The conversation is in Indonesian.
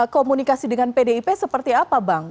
komunikasi dengan pdip seperti apa bang